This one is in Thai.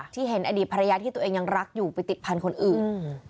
เห็นอดีตภรรยาที่ตัวเองยังรักอยู่ไปติดพันธุ์คนอื่น